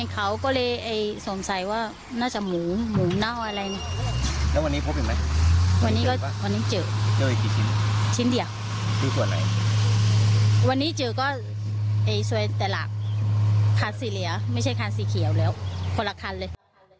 คันสี่เหลียวไม่ใช่คันสี่เขียวแล้วคนละคันเลย